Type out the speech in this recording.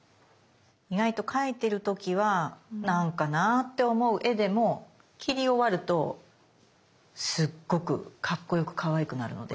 意外と描いてる時は何かなぁって思う絵でも切り終わるとすっごくかっこよくかわいくなるので。